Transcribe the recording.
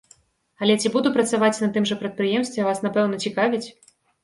Але ці буду працаваць на тым жа прадпрыемстве, вас напэўна цікавіць?